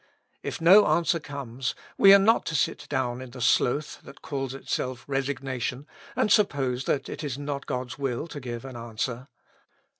If no answer comes, we are not to sit down in the sloth that calls itself resignation, and suppose that it is not God's will to give an answer.